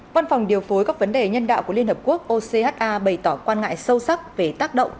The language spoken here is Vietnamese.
văn phòng điều phối các vấn đề nhân đạo của liên hợp quốc ocha bày tỏ quan ngại sâu sắc về tác động